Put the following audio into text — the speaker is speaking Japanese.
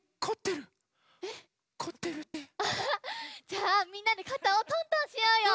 じゃあみんなでかたをトントンしようよ！